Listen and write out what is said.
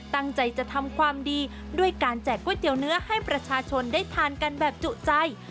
ตั้งใจจะทำความดีด้วยการแจกก๋วยเตี๋ยวเนื้อให้ประชาชนได้ทานกันแบบจุใจ